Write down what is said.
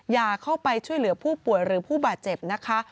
อย่าเข้าไปช่วยเหลือผู้ป่วยหรือผู้บาดเจ็บนะคะ